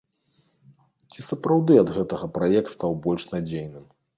Ці сапраўды ад гэтага праект стаў больш надзейным?